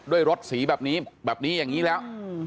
ด้วยรถสีแบบนี้แบบนี้อย่างนี้แล้ว